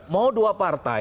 mau dua partai